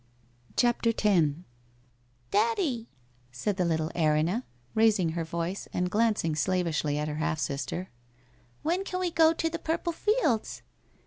CHAPTER X ' Daddy,' said the little Erinna, raising her voice and glancing slavishly at her half sister. ' When can we go to the Purple Fields?'